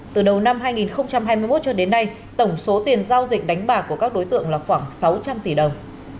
từ đầu năm hai nghìn hai mươi một cho đến nay tổng số tiền giao dịch đánh bạc của các đối tượng là khoảng sáu trăm linh tỷ đồng